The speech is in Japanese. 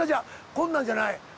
こんなんじゃない。